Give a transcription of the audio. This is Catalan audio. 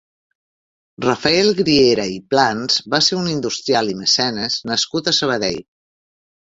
Rafael Griera i Plans va ser un industrial i mecenes nascut a Sabadell.